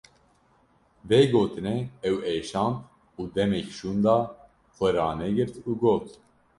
Vê gotinê ew êşand û demek şûnda xwe ranegirt û got: